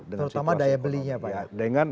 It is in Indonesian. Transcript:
terutama daya belinya pak